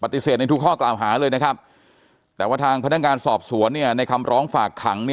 ในทุกข้อกล่าวหาเลยนะครับแต่ว่าทางพนักงานสอบสวนในคำร้องฝากขัง